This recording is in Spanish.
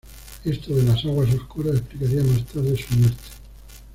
Esto de las aguas oscuras "explicaría" más tarde su muerte.